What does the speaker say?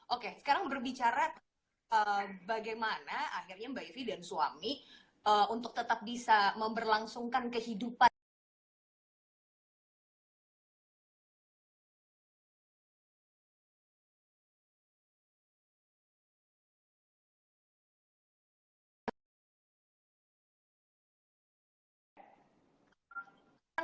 oke sekarang berbicara bagaimana akhirnya mbak yvi dan suami untuk tetap bisa memberlangsungkan kehidupan